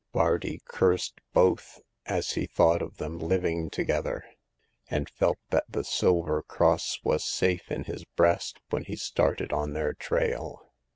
Bardi cursed both, as he thought of them living to gether ; and felt that the silver cross was safe in his breast when he started on their trail.